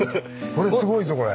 これすごいぞこれ。